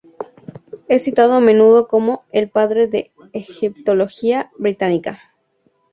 Es citado a menudo como "el padre de Egiptología británica".